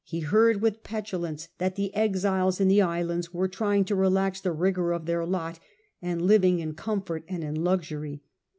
He heard with petulance that the exiles in the islands were trying to relax the rigour of their lot, and living in comfort and in luxury.